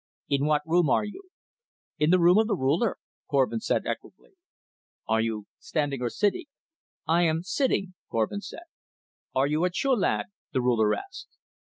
"In what room are you?" "In the Room of the Ruler," Korvin said equably. "Are you standing or sitting?" "I am sitting," Korvin said. "Are you a chulad?" the Ruler asked.